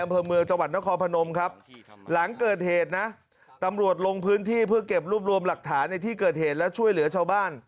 อำเภอเมืองจังหวัดนครพนมครับหลังเกิดเหตุนะตำรวจลงพื้นที่เพื่อเก็บรวบรวมหลักฐานในที่เกิดเหตุและช่วยเหลือชาวบ้าน